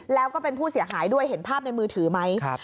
แล้วก็เป็นผู้เสียหายด้วยเห็นภาพในมือถือไหม